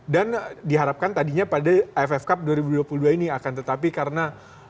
dan diharapkan tadinya pada iff cup dua ribu dua puluh dua ini akan tetapi karena